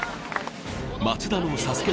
松田のＳＡＳＵＫＥ